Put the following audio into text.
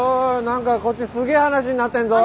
何かこっちすげえ話になってんぞ。